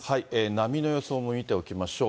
波の予想も見ておきましょう。